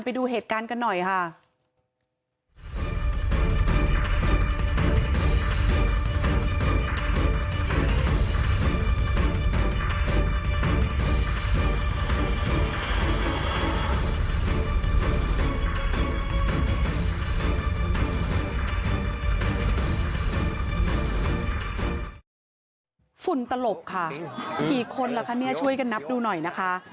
ไปดูเหตุการณ์กันหน่อยค่ะ